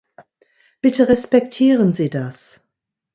Bitte respektieren Sie das.